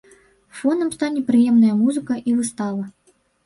Фонам стане прыемная музыка і выстава.